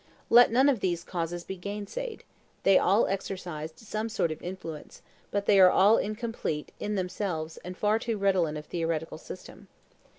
Let none of these causes be gainsaid; they all exercised some sort of influence, but they are all incomplete in themselves and far too redolent of theoretical system.